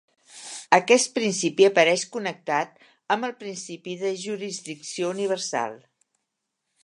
Aquest principi apareix connectat amb el principi de jurisdicció universal.